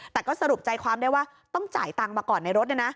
แต่ก็สรุปใจความได้ว่าต้องจ่ายตังค์มาก่อนในรถ